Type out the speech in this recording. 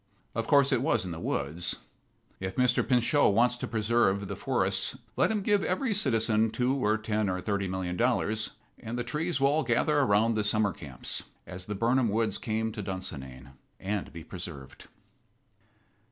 Of course it was in the woods if Mr. Pinchot wants to preserve the forests let him give every citizen two or ten or thirty million dollars, and the trees will all gather around the summer camps, as the Birnam woods came to Dunsinane, and be preserved.